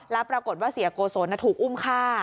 แล้วปรากฏว่าเสียโกศลถูกอุ้มฆ่า